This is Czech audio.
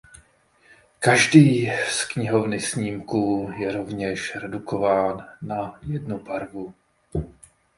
Každý z knihovny snímků je rovněž redukován na jednu barvu.